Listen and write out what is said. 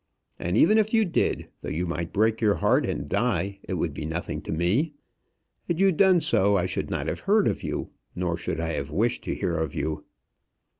And even if you did, though you might break your heart and die, it would be nothing to me. Had you done so, I should not have heard of you, nor should I have wished to hear of you."